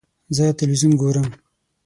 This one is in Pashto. زه تلویزیون ګورم